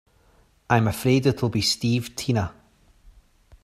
I'm afraid it'll be Steve Tina.